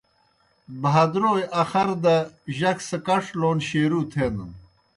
بھادرَوئے اخر دہ جک سہ کڇ لون شیروع تھینَن۔